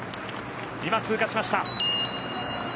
今、通過しました。